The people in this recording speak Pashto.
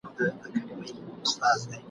فکر وکړي چي ناروغ ..